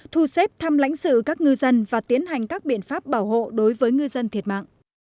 thu xếp thăm lãnh sự các ngư dân và tiến hành các biện pháp bảo hộ đối với ngư dân thiệt mạng